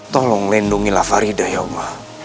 tolong lindungilah farida ya allah